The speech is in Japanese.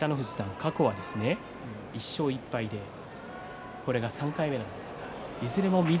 過去は１勝１敗でこれが３回目なんですが翠